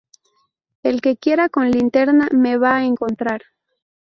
El que quiera, con linterna me va a encontrar.